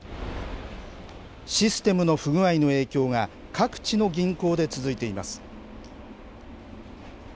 システムの不具合の影響が、各地の銀行で続いています。